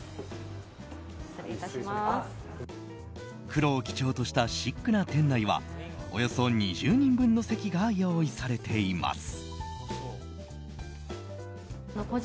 黒を基調としたシックな店内はおよそ２０人分の席が用意されています。